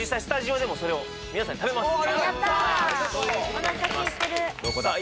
おなかすいてるさあ